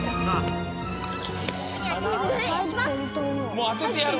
もうあててやる！